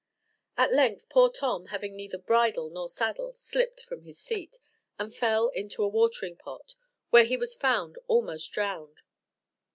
At length poor Tom, having neither bridle nor saddle, slipped from his seat, and fell into a watering pot, where he was found almost drowned.